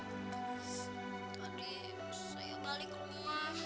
air di jalan bu